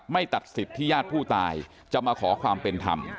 ตัดสิทธิ์ที่ญาติผู้ตายจะมาขอความเป็นธรรม